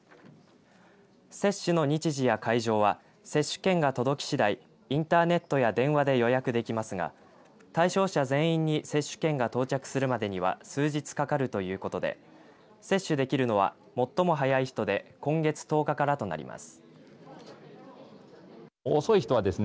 接種の日時や会場は接種券が届きしだいインターネットや電話で予約できますが対象者全員に接種券が到着するまでには数日かかるということで接種できるのは最も早い人で今月１０日からとなります。